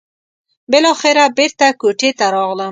بالاخره بېرته کوټې ته راغلم.